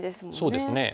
そうですね。